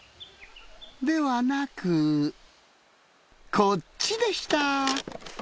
ではなくこっちでした。